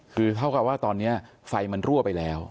คือเท่ากับว่าตอนนี้ไฟมันรั่วไปแล้ว